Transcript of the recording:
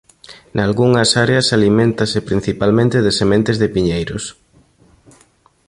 Nalgunhas áreas aliméntase principalmente de sementes de piñeiros.